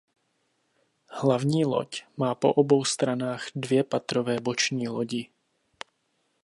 Hlavní loď má po obou stranách dvě patrové boční lodi.